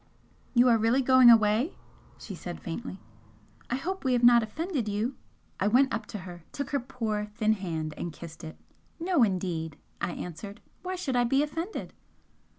"You are really going away?" she said, faintly "I hope we have not offended you?" I went up to her, took her poor thin hand and kissed it. "No indeed!" I answered "Why should I be offended?"